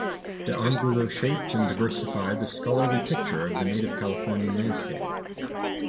De Angulo shaped and diversified the scholarly picture of the native Californian landscape.